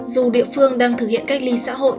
dù địa phương đang thực hiện cách ly xã hội